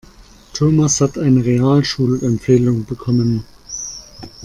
Thomas hat eine Realschulempfehlung bekommen.